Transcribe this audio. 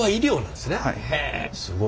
すごい。